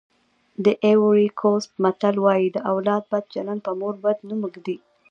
د ایوُري کوسټ متل وایي د اولاد بد چلند په مور بد نوم ږدي.